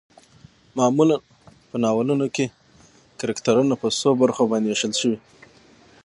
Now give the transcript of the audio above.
معمولا په ناولونو کې کرکترنه په څو برخو باندې ويشل شوي